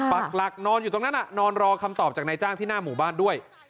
ปักหลักนอนอยู่ตรงนั้นนอนรอคำตอบจากนายจ้างที่หน้าหมู่บ้านด้วย